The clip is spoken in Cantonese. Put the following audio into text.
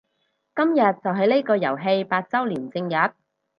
今日就係呢個遊戲八周年正日